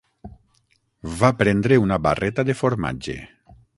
Va prendre una barreta de formatge.